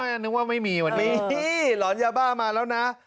นึกว่านึกว่าไม่มีว่ะนี่มีหลอนยาบ้ามาแล้วนะ